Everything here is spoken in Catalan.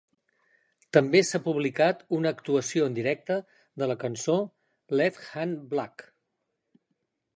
També s'ha publicat una actuació en directe de la cançó "Left Hand Black".